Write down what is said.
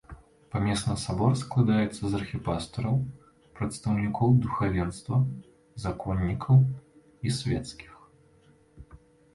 Памесны сабор складаецца з архіпастыраў, прадстаўнікоў духавенства, законнікаў і свецкіх.